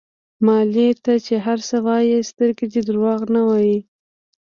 مالې ته چې هر څه ووايې سترګې دې دروغ نه وايي.